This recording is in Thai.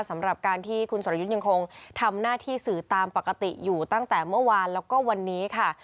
สำหรับการที่คุณสรยุทธ์ยังคงทำหน้าที่สื่อตามปกติอยู่ตั้งแต่เมื่อวานแล้วก็วันนี้ค่ะ